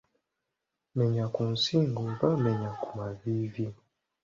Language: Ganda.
Menya ku nsingo oba menya ku maviivi.